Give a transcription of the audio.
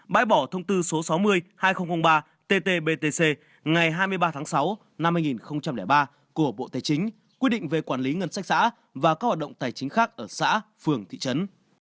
bãi bỏ thông tư số sáu mươi hai nghìn ba tt btc ngày hai mươi ba tháng sáu năm hai nghìn ba của bộ tài chính quy định về quản lý ngân sách xã và các hoạt động tài chính khác ở xã phường thị trấn